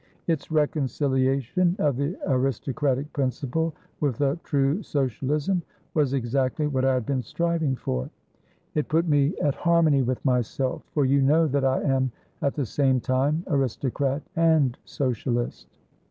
Its reconciliation of the aristocratic principle with a true socialism was exactly what I had been striving for; it put me at harmony with myself, for you know that I am at the same time Aristocrat and Socialist.